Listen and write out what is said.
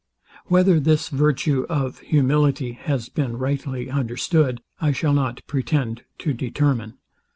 Whether this virtue of humility has been rightly understood, I shall not pretend to determine.